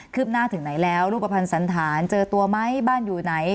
หน้าถึงไหนแล้วรูปภัณฑ์สันฐานเจอตัวไหมบ้านอยู่ไหน